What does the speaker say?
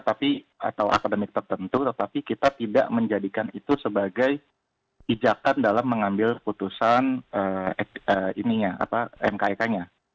atau akademik tertentu tetapi kita tidak menjadikan itu sebagai ijakan dalam mengambil putusan mkek nya